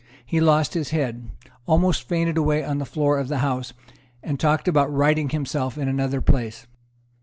He lost his head, almost fainted away on the floor of the House, and talked about righting himself in another place.